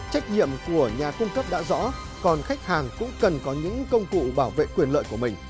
trách nhiệm của nhà cung cấp đã rõ còn khách hàng cũng cần có những công cụ bảo vệ quyền lợi của mình